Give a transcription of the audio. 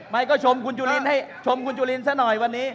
ไม่ก็ชมคุณจุลินให้ชมคุณจุลินซะหน่อยวันนี้